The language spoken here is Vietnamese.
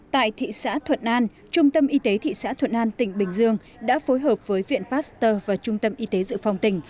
tại thị xã thuận an trung tâm y tế thị xã thuận an tỉnh bình dương đã phối hợp với viện pasteur và trung tâm y tế dự phòng tỉnh